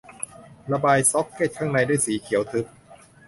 ระบายซ็อกเก็ตข้างในด้วยสีเขียวทึบ